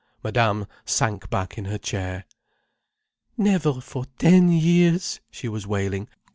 Madame sank back in her chair. "Never for ten years," she was wailing.